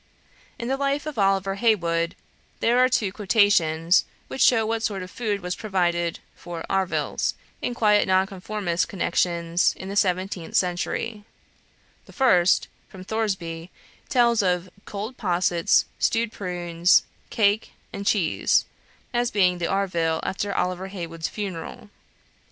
In the life of Oliver Heywood there are two quotations, which show what sort of food was provided for "arvills" in quiet Nonconformist connections in the seventeenth century; the first (from Thoresby) tells of "cold possets, stewed prunes, cake, and cheese," as being the arvill after Oliver Heywood's funeral.